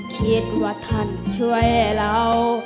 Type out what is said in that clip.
คิดว่าท่านช่วยเรา